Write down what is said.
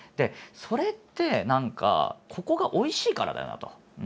それって何かここがおいしいからだよなと。